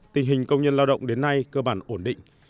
tình hình công nhân lao động đến nay cơ bản ổn định